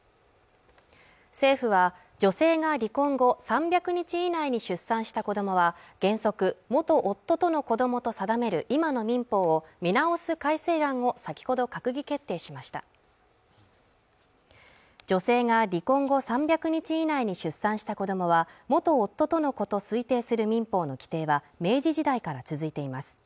政府は女性が離婚後３００日以内に出産した子どもは原則元夫との子供と定める今の民法を見直す改正案を先ほど閣議決定しました女性が離婚後３００日以内に出産した子どもは元夫との子と推定する民法の規定は明治時代から続いています